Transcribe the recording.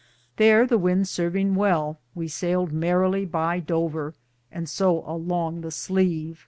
Thar the wynde sarvinge well, we sayled merraly by Dover, and so a longe the Sleve.